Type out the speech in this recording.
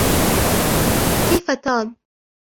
كيف توم ؟